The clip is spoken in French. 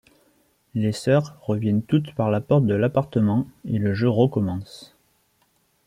Les sœurs reviennent toutes par la porte de l'appartement et le jeu recommence.